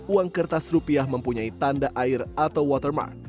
uang kertas rupiah mempunyai tanda air atau watermark